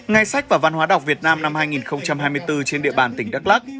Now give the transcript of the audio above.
ngày sách và văn hóa đọc việt nam năm hai nghìn hai mươi bốn trên địa bàn tỉnh đắk lắc